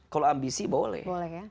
kalau ambisi boleh